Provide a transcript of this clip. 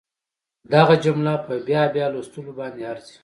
دغه جمله په بیا بیا لوستلو باندې ارزي